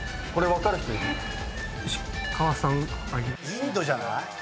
インドじゃない？